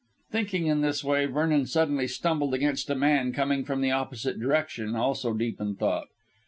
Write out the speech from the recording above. Thinking in this way, Vernon suddenly stumbled against a man coming from the opposite direction, also deep in thought.